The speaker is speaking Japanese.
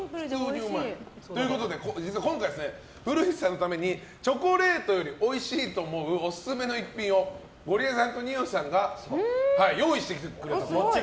ということで今回は古市さんのためにチョコレートよりおいしいと思うオススメの一品をゴリエさんと二葉さんが用意してくれました。